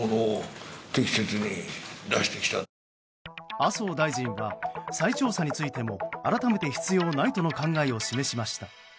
麻生大臣は、再調査についても改めて必要ないとの考えを示しました。